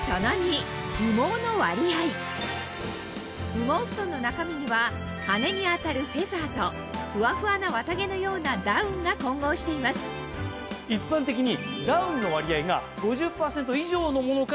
羽毛ふとんの中身には羽根に当たるフェザーとフワフワな綿毛のようなダウンが混合しています一般的に。